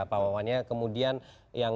pak wawannya kemudian yang